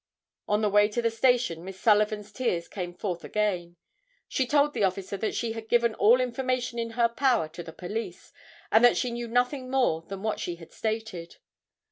On the way to the station Miss Sullivan's tears came forth again. She told the office that she had given all information in her power to the police, and that she knew nothing more than what she had stated.